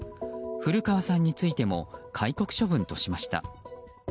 古川さんについても戒告処分としました。